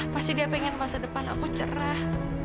pasti dia pengen masa depan aku cerah